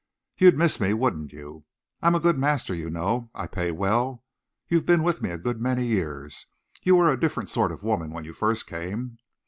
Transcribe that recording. You'd miss me, wouldn't you? I am a good master, you know. I pay well. You've been with me a good many years. You were a different sort of woman when you first came."